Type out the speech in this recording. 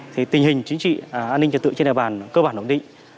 thì tình hình chính trị an ninh trật tự trên địa bàn cơ bản ổn định